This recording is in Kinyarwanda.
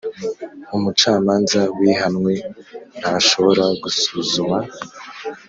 Umucamanza wihanwe ntashobora gusuzuma